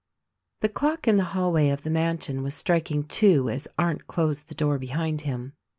The clock in the hallway of the mansion was striking two as Arndt closed the door behind him.